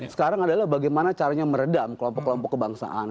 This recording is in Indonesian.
sekarang adalah bagaimana caranya meredam kelompok kelompok kebangsaan